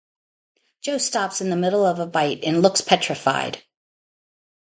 Jo stops in the middle of a bite and looks petrified.